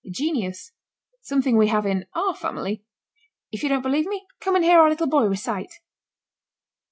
GENIUS. Something we have in our family if you don't believe me, come and hear our little boy recite.